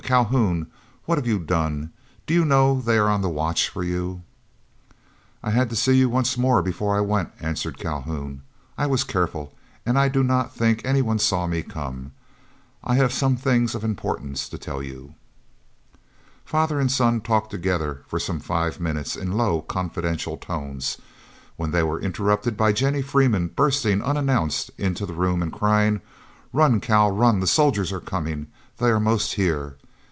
Calhoun! what have you done! Do you know they are on the watch for you?" "I had to see you once more before I went," answered Calhoun. "I was careful, and I do not think any one saw me come. I have some things of importance to tell you." Father and son talked together for some five minutes in low, confidential tones, when they were interrupted by Jennie Freeman bursting unannounced into the room and crying, "Run, Cal, run! the soldiers are coming! They are most here!"